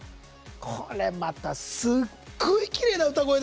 これまたすごいきれいな歌声で。